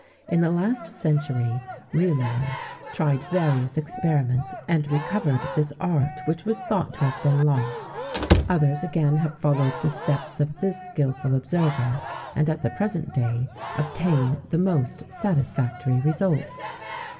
[XVII 30] In the last century, Réaumur tried various experiments, and recovered this art, which was thought to have been lost; others again have followed the steps of this skilful observer, and, at the present day, obtain the most satisfactory results.